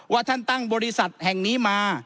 ว่าท่านตั้งบริษัทแห่งนี้มา